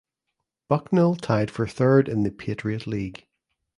Bucknell tied for third in the Patriot League.